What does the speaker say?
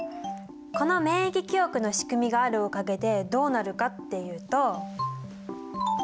この免疫記憶のしくみがあるおかげでどうなるかっていうと。